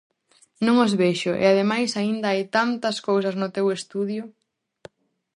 -Non os vexo, e ademais aínda hai tantas cousas no teu estudio!